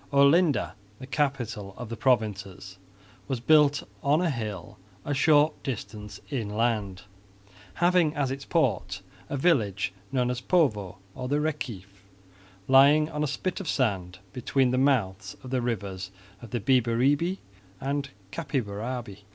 Olinda, the capital of the provinces, was built on a hill a short distance inland, having as its port a village known as Povo or the Reciff, lying on a spit of sand between the mouths of the rivers Biberibi and Capibaribi.